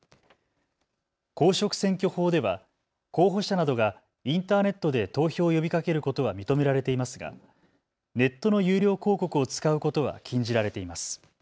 公職選挙法では候補者などがインターネットで投票を呼びかけることは認められていますがネットの有料広告を使うことは禁じられています。